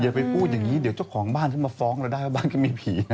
ไปพูดอย่างนี้เดี๋ยวเจ้าของบ้านเขามาฟ้องเราได้ว่าบ้านก็มีผีนะ